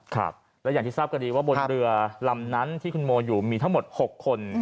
ครับและอย่างที่ทราบกันดีว่าบนเรือลำนั้นที่คุณโมอยู่มีทั้งหมด๖คน